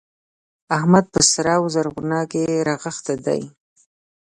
احمد په سره و زرغونه کې رغښتی دی.